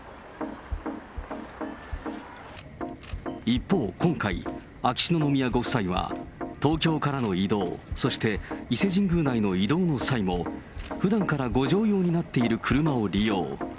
一方、今回、秋篠宮ご夫妻は、東京からの移動、そして伊勢神宮内の移動の際も、ふだんからご乗用になっている車を利用。